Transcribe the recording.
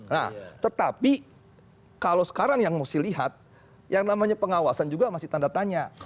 nah tetapi kalau sekarang yang mesti lihat yang namanya pengawasan juga masih tanda tanya